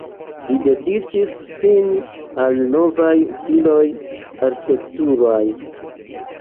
Li dediĉis sin al novaj stiloj arkitekturaj.